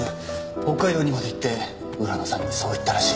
北海道にまで行って浦野さんにそう言ったらしい。